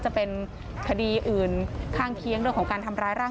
โชว์บ้านในพื้นที่เขารู้สึกยังไงกับเรื่องที่เกิดขึ้น